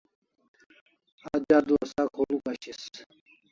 Aj adua sak huluk ashis